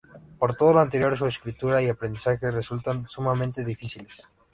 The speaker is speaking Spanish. Por todo lo anterior, su escritura y aprendizaje resultan sumamente difíciles.